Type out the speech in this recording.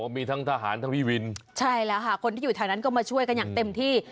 มีทั้งทหารทั้งพี่วินใช่แล้วค่ะคนที่อยู่แถวนั้นก็มาช่วยกันอย่างเต็มที่